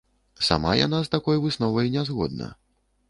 Сама яна з такой высновай не згодна.